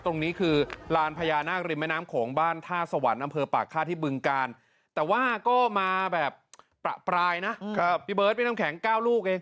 ตรงนี้คือลานพญานาคริมแม่น้ำโขงบ้านท่าสวรรค์อำเภอปากท่าที่บึงกาลแต่ว่าก็มาแบบประปรายนะพี่เบิร์ดพี่น้ำแข็ง๙ลูกเอง